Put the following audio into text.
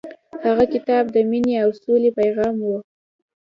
هغه کتاب د مینې او سولې پیغام و.